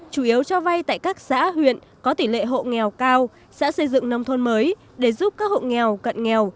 chủ yếu cho vay tại các xã huyện có tỷ lệ hộ nghèo cao xã xây dựng nông thôn mới để giúp các hộ nghèo cận nghèo